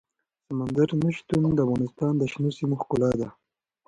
سمندر نه شتون د افغانستان د شنو سیمو ښکلا ده.